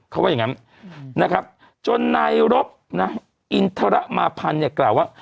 เขาว่าอย่างนั้นนะครับจนนายรบนะอินทรมาพันธ์เนี่ยกล่าวว่า